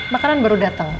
makanan baru dateng